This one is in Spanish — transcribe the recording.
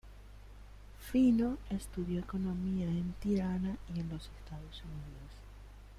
Fino estudió economía en Tirana y en los Estados Unidos.